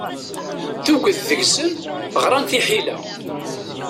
Tuget deg-sen ɣṛan tiḥila.